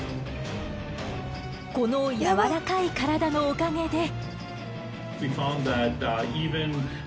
この柔らかい体のおかげで。